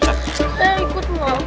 saya ikut pak